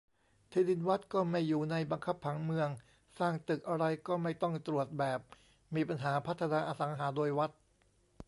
ที่ดินวัดก็ไม่อยู่ในบังคับผังเมือง สร้างตึกอะไรก็ไม่ต้องตรวจแบบ มีปัญหาพัฒนาอสังหาโดยวัด